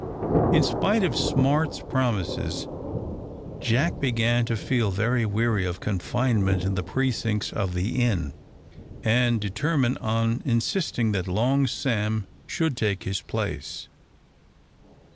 In spite of Smart's promises, Jack began to feel very weary of confinement in the precincts of the inn, and determine on insisting that Long Sam should take his place.